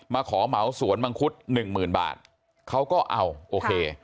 ขอเหมาสวนมังคุดหนึ่งหมื่นบาทเขาก็เอาโอเค